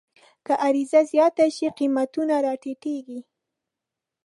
که عرضه زیاته شي، قیمتونه راټیټېږي.